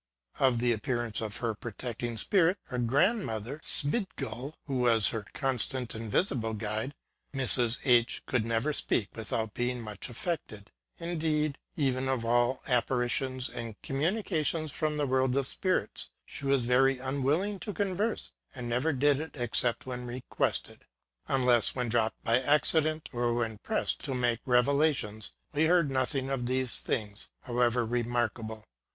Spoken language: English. Of the appearance of her protecting spirit, (her grandmother, Schmidgall,) who was her constant and visible guide, Mrs. H could never speak without being much affected ŌĆö indeed, even of all apparitions and communications from the world of spirits, she was very unwilling to converse, and never did it except when requested. Unless when dropped by accident, or when pressed to make reve lations, we heard nothing of tliese things, however remarkable.